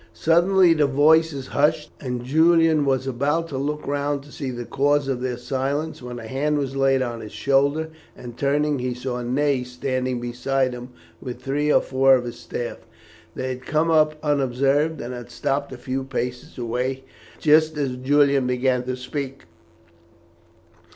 Suddenly the voices hushed, and Julian was about to look round to see the cause of their silence, when a hand was laid on his shoulder, and, turning, he saw Ney standing beside him, with three or four of his staff. They had come up unobserved, and had stopped a few paces away just as Julian began to speak.